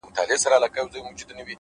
سونډان مي سوى وكړي